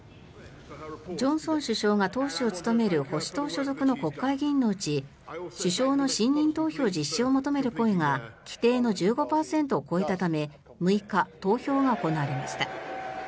ジョンソン首相が党首を務める保守党所属の国会議員のうち首相の信任投票実施を求める声が規定の１５％を超えたため６日、投票が行われました。